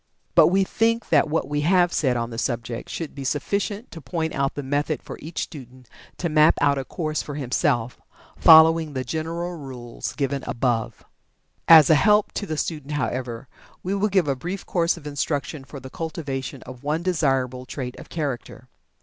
But we think that what we have said on the subject should be sufficient to point out the method for each student to map out a course for himself, following the general rules given above. As a help to the student, however, we will give a brief course of instruction for the cultivation of one desirable trait of character.